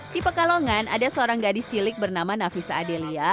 di pekalongan ada seorang gadis cilik bernama navisa adelia